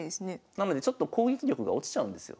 なのでちょっと攻撃力が落ちちゃうんですよ。